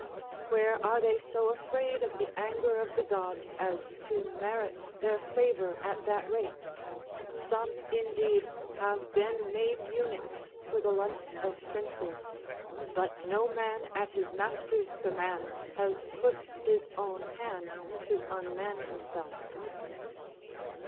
_ "Where are they so afraid of the anger of the gods as to merit their favour at that rate? Some, indeed, have been made eunuchs for the lust of princes: but no man at his master's command has put his own hand to unman himself."